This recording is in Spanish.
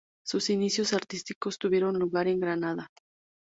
Sus inicios artísticos tuvieron lugar en Granada.